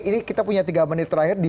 ini kita punya tiga menit terakhir di